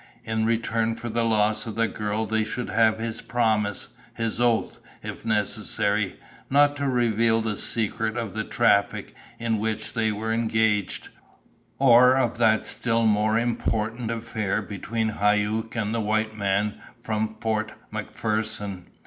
In return for the loss of the girl they should have his promise his oath, if necessary not to reveal the secret of the traffic in which they were engaged, or of that still more important affair between Hauck and the white man from Fort MacPherson.